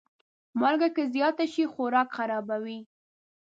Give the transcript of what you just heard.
مالګه که زیاته شي، خوراک خرابوي.